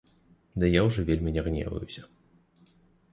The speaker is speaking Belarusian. Ды я ўжо вельмі не гневаюся.